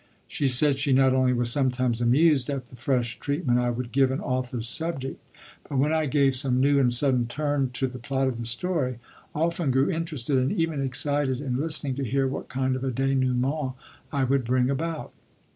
She said she not only was sometimes amused at the fresh treatment I would give an author's subject, but, when I gave some new and sudden turn to the plot of the story, often grew interested and even excited in listening to hear what kind of a denouement I would bring about.